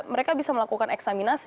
mereka bisa melakukan eksaminasi